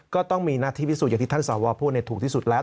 ก็ต้องมีหน้าที่พิสูจนอย่างที่ท่านสวพูดถูกที่สุดแล้ว